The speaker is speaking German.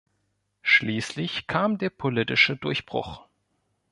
Schließlich kam der politische Durchbruch.